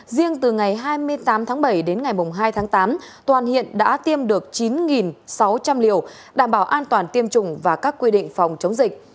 riêng từ ngày hai mươi tám tháng bảy đến ngày hai tháng tám toàn hiện đã tiêm được chín sáu trăm linh liều đảm bảo an toàn tiêm chủng và các quy định phòng chống dịch